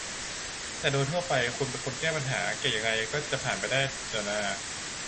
แต่โดยทั่วไปคุณเป็นคนแก้ปัญหาเก่งยังไงก็จะผ่านด่านไปได้ล่ะน่า